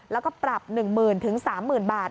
แล้วก็ปรับ๑๐๐๐๓๐๐๐บาท